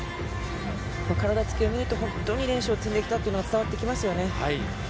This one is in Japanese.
体つきを見ると本当に練習を積んできたというのが伝わってきます